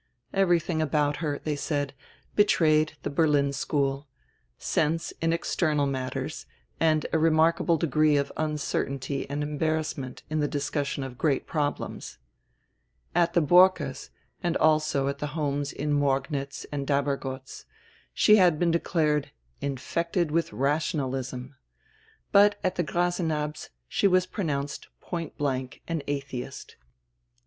Everything about her, they said, betrayed the Berlin school, — sense in external nratters and a remarkable degree of uncertainty and embarrassment in the discussion of great problems. At the Borckes', and also at tire homes in Morgnitz and Dabergotz, she had been declared "infected with rationalism," but at tire Grasenabbs' she was pro nounced point blank an "atheist."